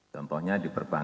contohnya di perpahala